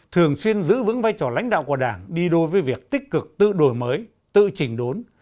thường xuyên giữ vững vai trò lãnh đạo của đảng đi đôi với việc tích cực tự đổi mới tự trình đốn